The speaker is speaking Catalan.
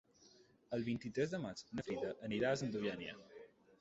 El vint-i-tres de maig na Frida anirà a Santa Eugènia.